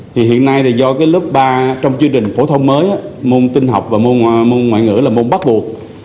thì hiện nay là do cái lớp ba trong chương trình phổ thông mới môn tinh học và môn ngoại ngữ là môn bắt buộc